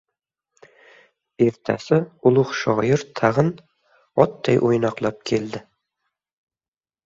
Ertasi ulug‘ shoir tag‘in otday o‘ynoqlab keldi.